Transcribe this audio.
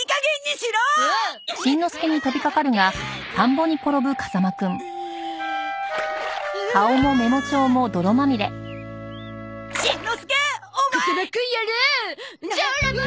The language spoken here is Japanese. しんのすけ！